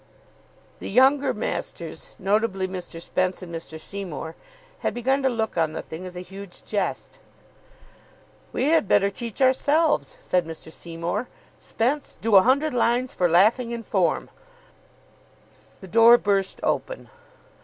The younger masters, notably Mr. Spence and Mr. Seymour, had begun to look on the thing as a huge jest. "We had better teach ourselves," said Mr. Seymour. "Spence, do a hundred lines for laughing in form." The door burst open.